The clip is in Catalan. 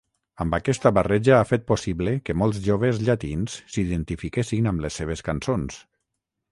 Amb aquesta barreja ha fet possible que molts joves llatins s'identifiquessin amb les seves cançons.